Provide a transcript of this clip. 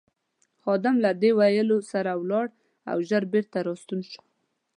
خادم له دې ویلو سره ولاړ او ژر بېرته راستون شو.